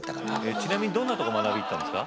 ちなみにどんなとこ学びに行ったんですか？